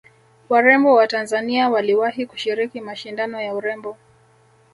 warembo wa tanzania waliwahi kushiriki mashindano ya urembo